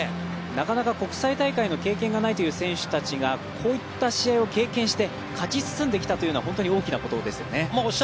なかなか、国際大会の経験がないという選手たちがこういった試合を経験して勝ち進んできたというのは本当に大きなことですよね。